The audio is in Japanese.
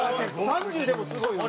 ３０でもすごいのに？